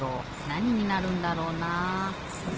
なにになるんだろうなあ？